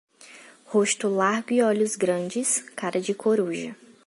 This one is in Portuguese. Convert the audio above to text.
Rosto largo e olhos grandes, cara de coruja.